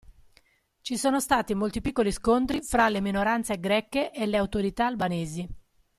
Ci sono stati molti piccoli scontri fra le minoranze greche e le autorità albanesi.